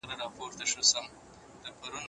زه درڅخه ځمه ته اوږدې شپې زنګوه ورته